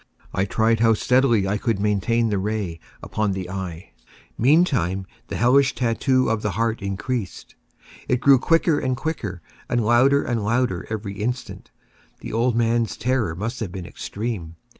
I tried how steadily I could maintain the ray upon the eve. Meantime the hellish tattoo of the heart increased. It grew quicker and quicker, and louder and louder every instant. The old man's terror must have been extreme!